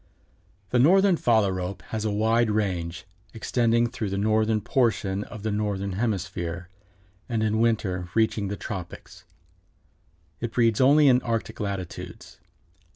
_) The Northern Phalarope has a wide range, extending throughout the northern portion of the Northern Hemisphere and in winter reaching the tropics. It breeds only in Arctic latitudes.